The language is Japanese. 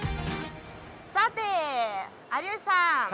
さて有吉さん。